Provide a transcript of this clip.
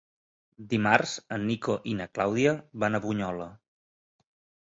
Dimarts en Nico i na Clàudia van a Bunyola.